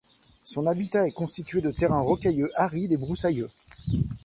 Son habitat est constitué de terrains rocailleux arides et broussailleux.